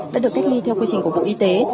đã được cách ly theo quy trình của bộ y tế